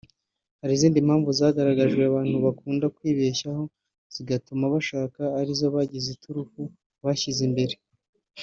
Hari impamvu zitandukanye zagaragajwe abantu bakunze kwibeshyaho zigatuma bashaka ari zo bagize iturufu (bakazishyira imbere)